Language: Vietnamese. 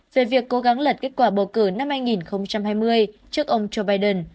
về việc cố gắng lật kết quả bầu cử năm hai nghìn hai mươi trước ông joe biden